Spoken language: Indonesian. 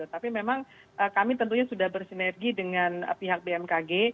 tapi memang kami tentunya sudah bersinergi dengan pihak bmkg